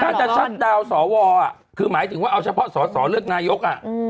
ถ้าจะชัดดาวน์สวคือหมายถึงว่าเอาเฉพาะสอสอเลือกนายก